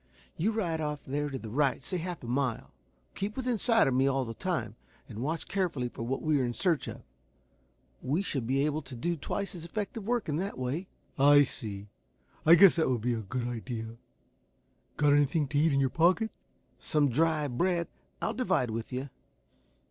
You ride off there to the right, say half a mile. Keep within sight of me all the time, and watch carefully for what we are in search of. We shall be able to do twice as effective work in that way." "I see. I guess that would be a good idea. Got anything to eat in your pocket?" "Some dry bread. I'll divide with you.